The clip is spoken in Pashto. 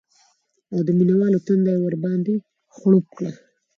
او د مینه والو تنده یې ورباندې خړوب کړه